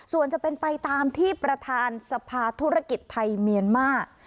ส่วนจะเป็นไปตามที่ประธานสภาธุรกิจไทยเมียนมาร์